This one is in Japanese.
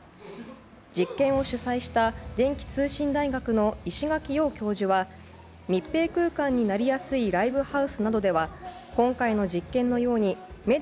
実験を主催した電気通信大学の石垣陽教授は密閉空間になりやすいライブハウスなどでは今回の実験のように茨城県取手市で